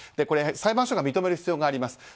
これ、裁判所が認める必要があります。